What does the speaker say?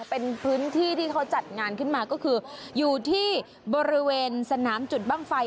เป็นพื้นที่ที่เขาจัดงานขึ้นมาก็คืออยู่ที่บริเวณสนามจุดบ้างไฟ